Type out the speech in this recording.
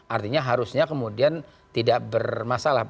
artinya harusnya kemudian tidak bermasalah